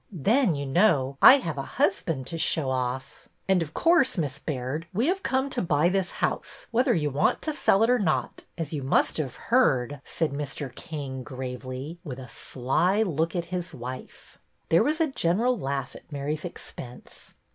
Then, you know, I have a husband to show off." And, of course. Miss Baird, we have come to buy this house, whether you want to sell it or not, as you must have heard," said Mr. King, gravely, with a sly look at his wife. There was a general laugh at Mary's expense.